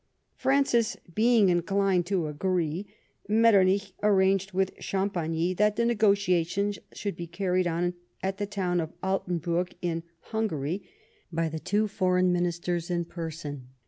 Francis being inclined to agree, IMetternich arranged with Chamj)agny that the negotiations should be carried on at the town of Altenburg, in Hungary, by the two Foreign JMinisters in person.